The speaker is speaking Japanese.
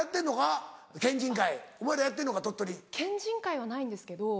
県人会はないんですけど。